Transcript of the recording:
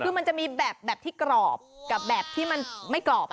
คือมันจะมีแบบที่กรอบกับแบบที่มันไม่กรอบ